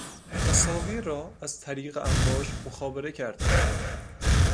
تصاویر را از طریق امواج مخابره کردند